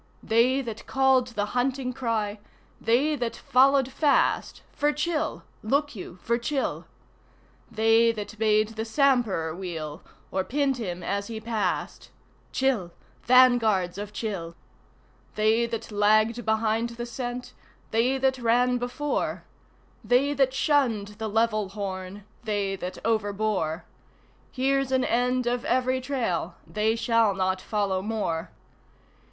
They that called the hunting cry they that followed fast (For Chil! Look you, for Chil!) They that bade the sambhur wheel, or pinned him as he passed (Chil! Vanguards of Chil!) They that lagged behind the scent they that ran before, They that shunned the level horn they that overbore. Here's an end of every trail they shall not follow more.